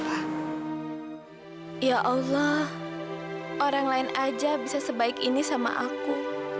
saya lagi juga ingin berhubung dengan kamu